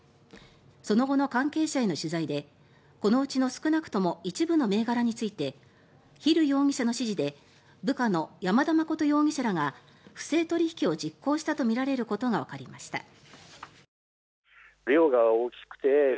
その後の関係者への取材でこのうちの少なくとも一部の銘柄についてヒル容疑者の指示で部下の山田誠容疑者が不正取引を実行したとみられることがわかりました。